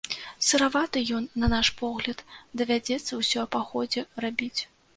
Сыраваты ён, на наш погляд, давядзецца ўсё па ходзе рабіць.